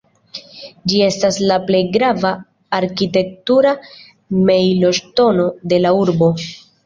Ĝi estas la plej grava arkitektura mejloŝtono de la urbo.